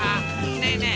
ねえねえ